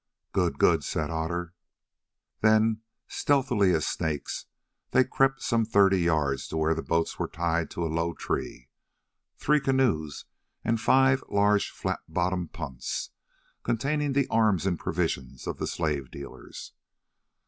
"Good, good," said Otter. Then, stealthily as snakes, they crept some thirty yards to where the boats were tied to a low tree—three canoes and five large flat bottomed punts, containing the arms and provisions of the slave dealers.